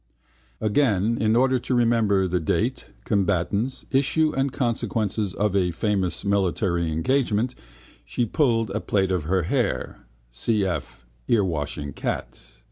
Again, in order to remember the date, combatants, issue and consequences of a famous military engagement she pulled a plait of her hair (cf earwashing cat).